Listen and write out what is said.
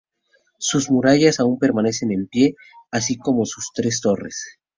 Sus murallas aún permanecen en pie, así como sus tres torres.